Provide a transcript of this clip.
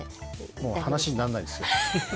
もう話になんないですよ。